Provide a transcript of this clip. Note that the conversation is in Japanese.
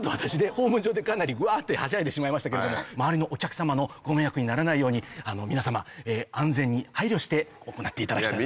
ホーム上でかなりぐわってはしゃいでしまいましたけれども周りのお客さまのご迷惑にならないように皆さま安全に配慮して行っていただきたいと。